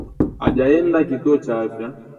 Hajaenda Kituo cha Afya